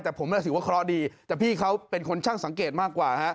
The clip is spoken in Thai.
แต่พี่เขาเป็นคนช่างสังเกตมากกว่า